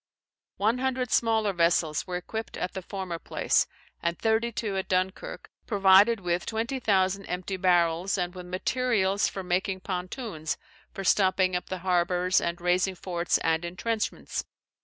One hundred smaller vessels were equipped at the former place, and thirty two at Dunkirk, provided with twenty thousand empty barrels, and with materials for making pontoons, for stopping up the harbours, and raising forts and entrenchments.